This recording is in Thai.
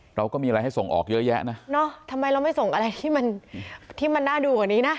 เราก็มีอะไรให้ส่งออกเยอะแยะนะเนอะทำไมเราไม่ส่งอะไรที่มันที่มันน่าดูกว่านี้นะ